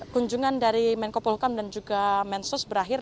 kunjungan dari menko polhukam dan juga mensos berakhir